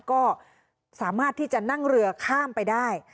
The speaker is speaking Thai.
ก็สามารถที่จะนั่งเรือข้ามไปได้